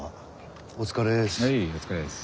お疲れっす。